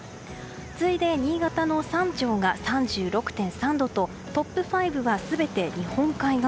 次いで新潟の三条が３６．３度とトップ５は、全て日本海側。